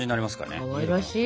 かわいらしい。